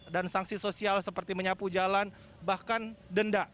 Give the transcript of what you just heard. dan sanksi sosial seperti menyapu jalan bahkan denda